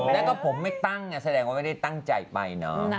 แล้วก็ผมไม่ตั้งแสดงว่าไม่ได้ตั้งใจไปเนาะ